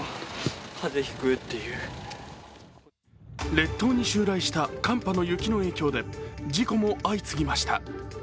列島に襲来した寒波の雪の影響で事故も相次ぎました。